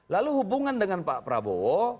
lalu hubungan dengan pak prabowo